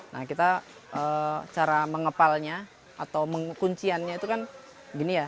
nah kita cara mengepalnya atau mengunciannya itu kan gini ya